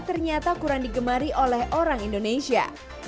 ternyata kurang digemari oleh orang indonesia